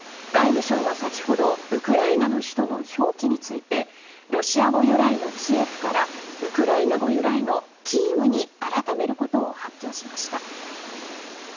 外務省は先ほどウクライナの首都の表記についてロシア語由来のキエフからウクライナ語由来のキーウに改めることを発表しました。